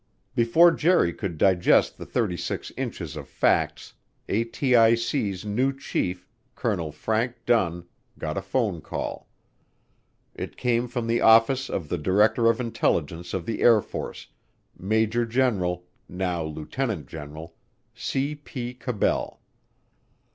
Before Jerry could digest the thirty six inches of facts, ATIC's new chief, Colonel Frank Dunn, got a phone call. It came from the office of the Director of Intelligence of the Air Force, Major General (now Lieutenant General) C. P. Cabell.